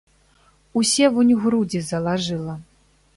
Усе вунь грудзі залажыла.